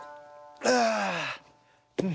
ああ。